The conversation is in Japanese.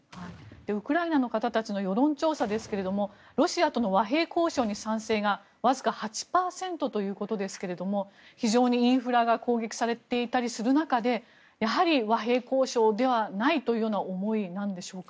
ウクライナの方たちの世論調査ですがロシアのとの和平交渉の賛成がわずか８％ということですが非常にインフラが攻撃されていたりする中でやはり和平交渉ではないという思いなんでしょうか？